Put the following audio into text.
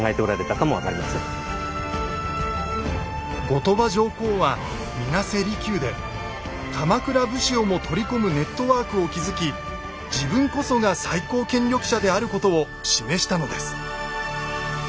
後鳥羽上皇は水無瀬離宮で鎌倉武士をも取り込むネットワークを築き自分こそが最高権力者であることを示したのです。